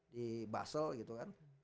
di basel gitu kan